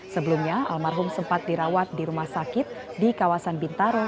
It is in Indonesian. sebelumnya almarhum sempat dirawat di rumah sakit di kawasan bintaro